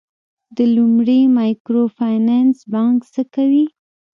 د لومړي مایکرو فینانس بانک څه کوي؟